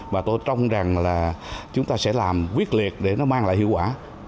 và tôi trong rằng là chúng ta sẽ làm quyết liệt để nó mang lại hiệu quả